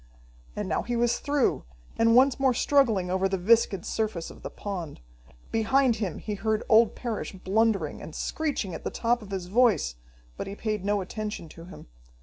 And now he was through, and once more struggling over the viscid surface of the pond. Behind him he heard old Parrish blundering, and screeching at the top of his voice, but he paid no attention to him.